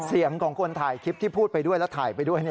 เสียงของคนถ่ายคลิปที่พูดไปด้วยแล้วถ่ายไปด้วย